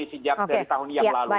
sejak tahun yang lalu